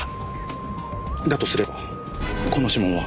だとすればこの指紋は。